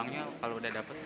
uangnya kalau udah dapet